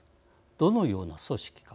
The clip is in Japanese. どのような組織か。